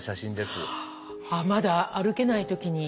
まだ歩けない時に？